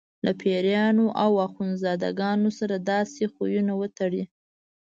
له پیرانو او اخندزاده ګانو سره داسې خویونه وتړي.